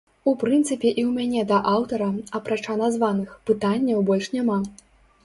У прынцыпе і ў мяне да аўтара, апрача названых, пытанняў больш няма.